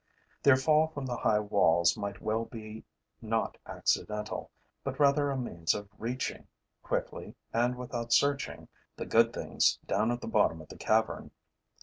Their fall from the high walls might well be not accidental, but rather a means of reaching, quickly and without searching, the good things down at the bottom of the cavern.